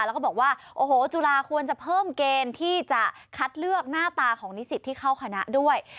แล้วก็บอกว่าโอ้โหจุฬาควรจะเพิ่มเกณฑ์ที่จะคัดเลือกหน้าตาของนิสิตที่เข้าคณะด้วย